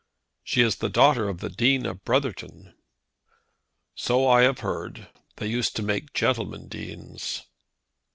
"She is the daughter of the Dean of Brotherton." "So I have heard. They used to make gentlemen Deans."